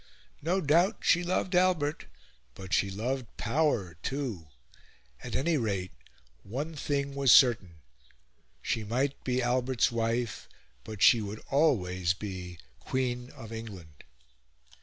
No doubt, she loved Albert; but she loved power too. At any rate, one thing was certain: she might be Albert's wife, but she would always be Queen of England.